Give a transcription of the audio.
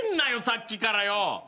さっきからよ！